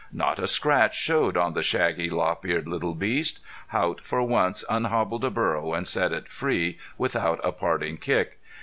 Not a scratch showed on the shaggy lop eared little beast. Haught for once unhobbled a burro and set it free without a parting kick.